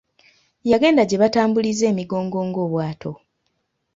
Yagenda gye batambuliza emigongo ng'obwato.